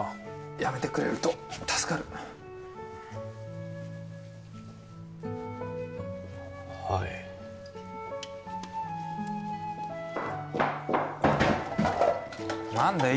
やめてくれると助かるはい何だよ